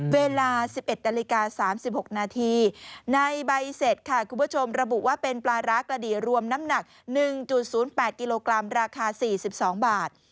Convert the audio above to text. เวลา๑๑นาฬิกา๓๖นาทีในใบเสร็จค่ะคุณผู้ชมระบุว่าเป็นปลาร้ากระดีรวมน้ำหนัก๑๐๘กิโลกรัมราคา๔๒บาท